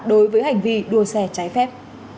đối với hành vi đua xe trái phép